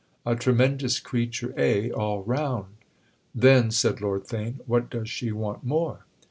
"A tremendous creature, eh, all round? Then," said Lord Theign, "what does she want more?"